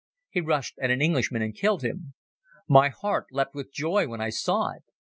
He rushed at an Englishman and killed him. My heart leapt with joy when I saw it.